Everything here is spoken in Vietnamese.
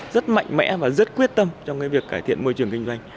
rất mạnh mẽ và rất quyết tâm trong cái việc cải thiện môi trường kinh doanh